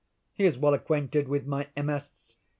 He is well acquainted with my MS.